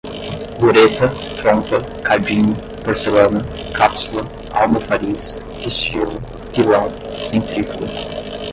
bureta, trompa, cadinho, porcelana, cápsula, almofariz, pistilo, pilão, centrífuga